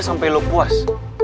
sampai lo puas